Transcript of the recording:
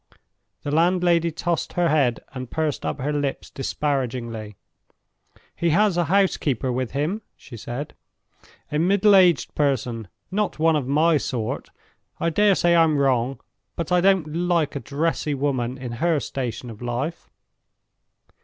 The landlady tossed her head, and pursed up her lips disparagingly. "He has a housekeeper with him," she said. "A middle aged person—not one of my sort. I dare say I'm wrong—but I don't like a dressy woman in her station of life."